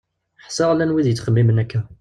Ḥsiɣ llan wid yettxemmimen akka.